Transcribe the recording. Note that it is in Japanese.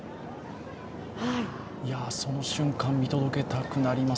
その瞬間、見届けたくなります。